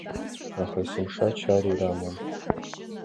Аха есымша чарирамам.